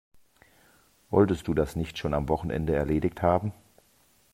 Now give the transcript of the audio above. Wolltest du das nicht schon am Wochenende erledigt haben?